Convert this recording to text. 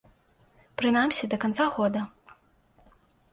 Прынамсі да канца года.